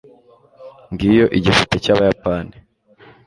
ngiyo igipupe cyabayapani